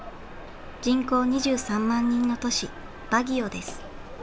人口２３万人の都市バギオです。